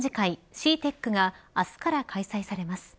ＣＥＡＴＥＣが明日から開催されます。